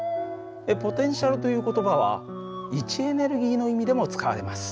ポテンシャルという言葉は位置エネルギーの意味でも使われます。